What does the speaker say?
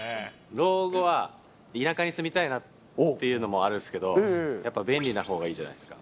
老後は田舎に住みたいなっていうのもあるんですけど、やっぱ便利なほうがいいじゃないですか。